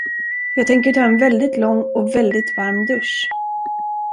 Jag tänker ta en väldigt lång och väldigt varm dusch.